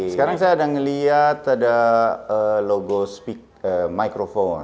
sekarang saya ada melihat ada logo speak microphone